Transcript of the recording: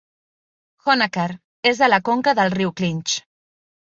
Honaker és a la conca del riu Clinch.